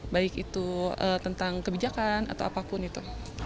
baik itu tentang kebijakan atau apapun itu